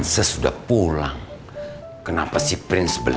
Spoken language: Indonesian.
sini ibu yang tutup aja